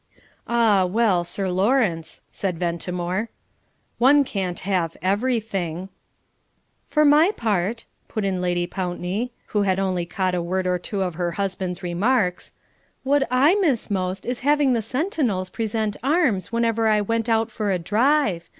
"Ah, well, Sir Lawrence," said Ventimore, "one can't have everything!" "For my part," put in Lady Pountney, who had only caught a word or two of her husband's remarks, "what I miss most is having the sentinels present arms whenever I went out for a drive.